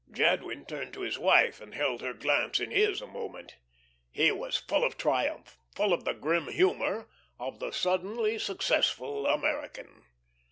Jadwin turned to his wife, and held her glance in his a moment. He was full of triumph, full of the grim humour of the suddenly successful American.